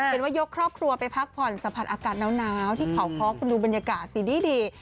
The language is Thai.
เป็นว่ายกครอบครัวไปพักผ่อนสัมผัสอากาศหนาวที่เขาค้อคุณดูบรรยากาศสิดี